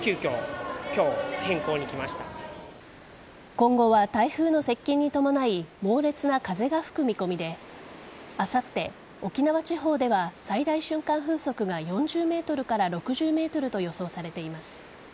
今後は、台風の接近に伴い猛烈な風が吹く見込みであさって、沖縄地方では最大瞬間風速が４０メートルから６０メートルと予想されています。